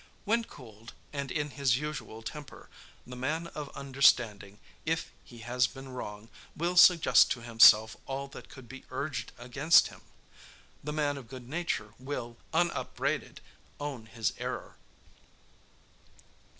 When cooled, and in his usual temper, the man of understanding, if he has been wrong, will suggest to himself all that could be urged against him. The man of good nature will, unupbraided, own his error.